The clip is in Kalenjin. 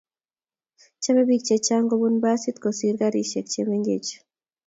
Chame biik che chang kobun basit kosiir karishek che mengech